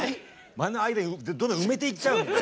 間の間をどんどん埋めていっちゃうんで。